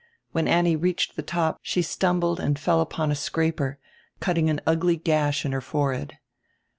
When Annie reached tire top she stumbled and fell upon a scraper, cutting an ugly gash in her forehead.